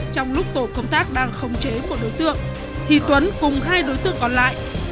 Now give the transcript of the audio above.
trong lúc tổ công tác đang khống chế một đối tượng thì tuấn cùng hai đối tượng còn lại